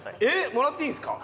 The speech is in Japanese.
もらっていいんですか？